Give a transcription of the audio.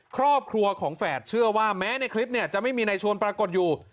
ครอบครัวของแฝดเชื่อว่าแม้ในคลิปเนี่ยจะไม่มีในชวนปรากฏอยู่